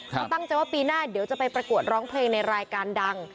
เขาตั้งใจว่าปีหน้าเดี๋ยวจะไปประกวดร้องเพลงในรายการดัง